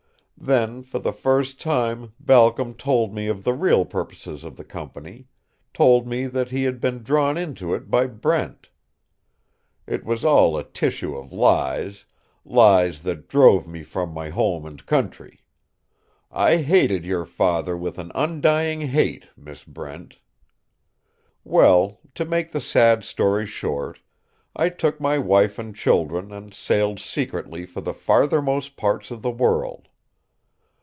"Then for the first time Balcom told me of the real purposes of the company, told me that he had been drawn into it by Brent. It was all a tissue of lies lies that drove me from my home and country. I hated your father with an undying hate, Miss Brent. "Well, to make the sad story short, I took my wife and children and sailed secretly for the farthermost parts of the world.